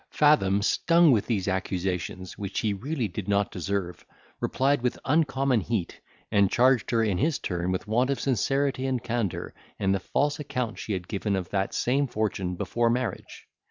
Fathom, stung with these accusations, which he really did not deserve, replied with uncommon heat, and charged her in his turn with want of sincerity and candour, in the false account she had given of that same fortune before marriage.